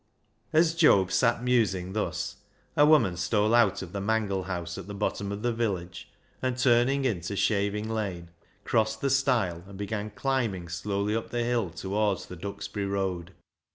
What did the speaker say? As Job sat musing thus, a woman stole out of the mangle house at the bottom of the village, and, turning into Shaving Lane, crossed the stile, and began climbing slowly up the hill towards the Duxbury Road.